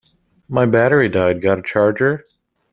My battery died, got a charger?